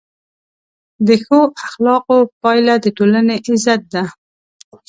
د ښو اخلاقو پایله د ټولنې عزت ده.